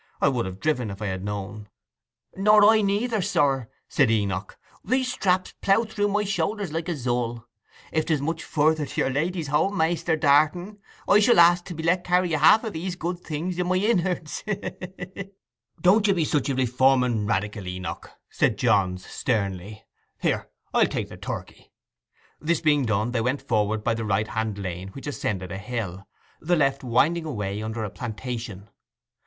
I would have driven if I had known.' 'Nor I neither, sir,' said Enoch. 'These straps plough my shoulder like a zull. If 'tis much further to your lady's home, Maister Darton, I shall ask to be let carry half of these good things in my innerds—hee, hee!' 'Don't you be such a reforming radical, Enoch,' said Johns sternly. 'Here, I'll take the turkey.' This being done, they went forward by the right hand lane, which ascended a hill, the left winding away under a plantation.